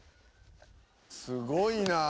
「すごいなあ」